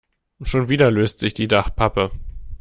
Schon wieder löst sich die Dachpappe.